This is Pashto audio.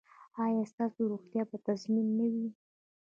ایا ستاسو روغتیا به تضمین نه وي؟